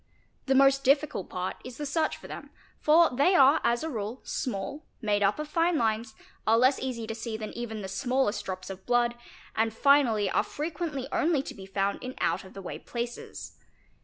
The most difficult part is the search for them, for they are as a rule small, made up of fine lines, are less easy to see than even the smallest drops of blood, and finally are frequently only to be found in out of the way places.